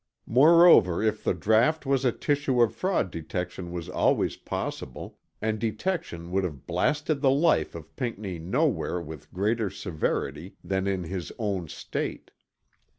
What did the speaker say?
Moreover if the draught was a tissue of fraud detection was always possible; and detection would have blasted the life of Pinckney nowhere with greater severity than in his own State.